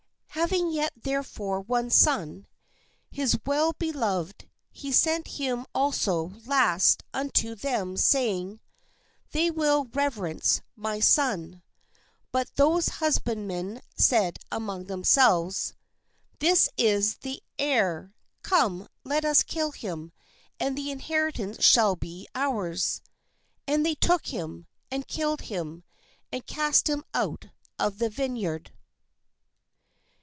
Having yet therefore one son, his well beloved, he sent him also last unto them, saying: ' They will reverence my son." But those husbandmen said among themselves: 'This is the heir; come, let us kill him, and the inheritance shall be ours." And they took him, and killed him, and cast him out of the vineyard.